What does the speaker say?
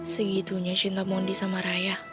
segitunya cinta mondi sama raya